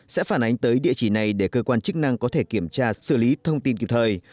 sẽ phản ánh tới địa chỉ này để cơ quan chức năng có thể kiểm tra xử lý thông tin kịp thời